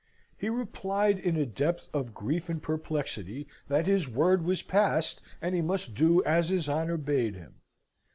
He replied in a depth of grief and perplexity, that his word was passed, and he must do as his honour bade him.